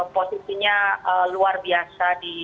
posisinya luar biasa